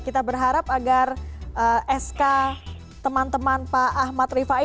kita berharap agar sk teman teman pak ahmad rifai